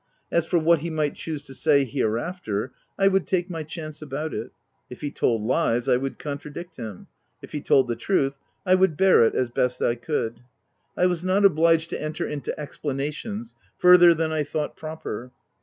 As for what he might choose to say hereafter, I would take my chance about it : if he told lies, I would contradict him ; if he told the truth, I would bear it as I best could. I was not obliged to enter into explanations, further than I thought proper.